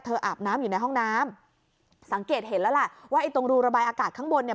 อาบน้ำอยู่ในห้องน้ำสังเกตเห็นแล้วแหละว่าไอ้ตรงรูระบายอากาศข้างบนเนี่ย